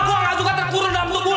dikuruk satu sama lo